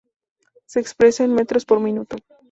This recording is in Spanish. Se expresa en metros por minuto.